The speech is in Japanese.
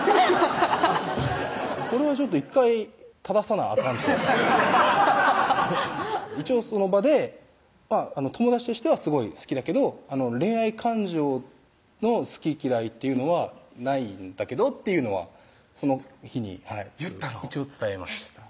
これはちょっと１回正さなあかんと一応その場で「友達としてはすごい好きだけど恋愛感情の好き嫌いっていうのはないんだけど」っていうのはその日に一応伝えました